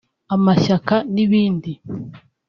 amashyaka n’ibindi…